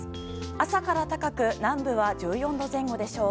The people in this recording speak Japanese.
朝から高く南部は１４度前後でしょう。